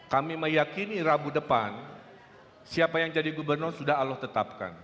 kami meyakini rabu depan siapa yang jadi gubernur sudah allah tetapkan